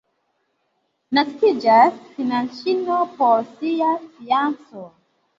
Naskiĝas fianĉino por sia fianĉo.